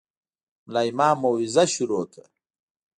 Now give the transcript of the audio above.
ملا امام موعظه شروع کړه.